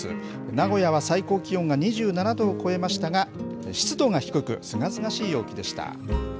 名古屋は最高気温が２７度を超えましたが、湿度が低く、すがすがしい陽気でした。